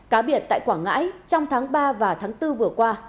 cá biệt tại quảng ngãi trong tháng ba và tháng bốn vừa qua